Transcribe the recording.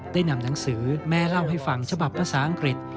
ได้นำหนังสือแม่เล่าให้ฟังฉบับภาษาอังกฤษ